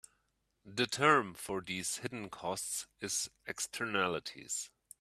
The term for these hidden costs is "Externalities".